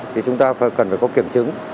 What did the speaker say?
thì chúng ta cần phải có kiểm chứng